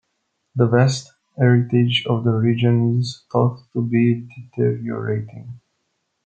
The vast heritage of the region is thought to be deteriorating.